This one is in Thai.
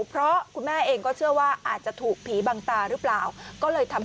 เพราะคุณแม่เองก็เชื่อว่าอาจจะถูกผีบังตาหรือเปล่า